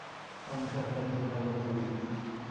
আমি সরকারি পুরাতত্ত্ববিদ।